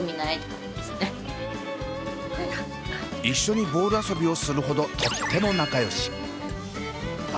一緒にボール遊びをするほどとっても仲よし。